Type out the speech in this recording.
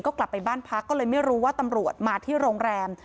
ก็กลับไปบ้านพักก็เลยไม่รู้ว่าตำรวจมาที่โรงแรม